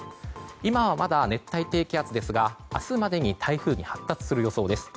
今はまだ熱帯低気圧ですが明日までに台風に発達する予想です。